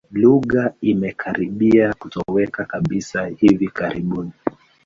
Lugha imekaribia kutoweka kabisa hivi karibuni.